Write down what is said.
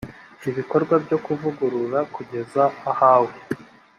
ibikorwa byo kuvugurura kugeza ahawe